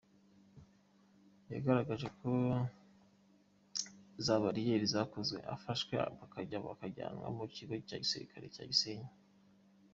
Yagaragaje ko za bariyeri zakozwe, abafashwe bakajya banajyanwa mu kigo cya gisirikare cya Gisenyi.